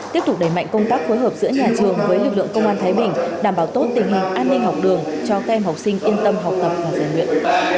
tiếp tục đẩy mạnh công tác phối hợp giữa nhà trường với lực lượng công an thái bình đảm bảo tốt tình hình an ninh học đường cho các em học sinh yên tâm học tập và giải luyện